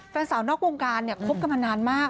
แฟนสาวนอกวงการเนี่ยคบกันมานานมาก